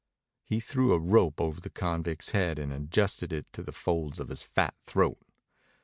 He threw a rope over the convict's head and adjusted it to the folds of his fat throat.